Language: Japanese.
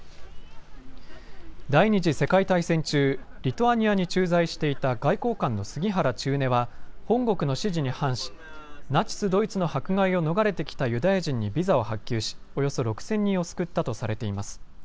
第２次世界大戦中、リトアニアに駐在していた外交官の杉原千畝は本国の指示に反しナチス・ドイツの迫害を逃れてきたユダヤ人にビザを発給し、およそ６０００人を救ったとされています。